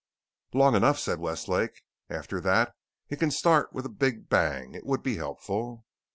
"Long enough," said Westlake. "After that it can start with a big bang. It would be helpful."